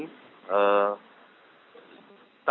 tadi pagi ketika kasubag humas eko ariyati ada acara sosial